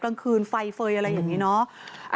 กลางคืนไฟเฟย์อะไรอย่างนี้เนาะ